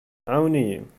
Ɛawen-iyi.